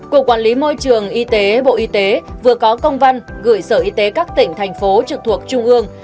cục quản lý môi trường y tế bộ y tế vừa có công văn gửi sở y tế các tỉnh thành phố trực thuộc trung ương